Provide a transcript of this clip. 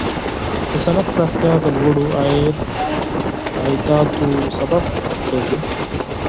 د صنعت پراختیا د لوړو عایداتو سبب کیږي.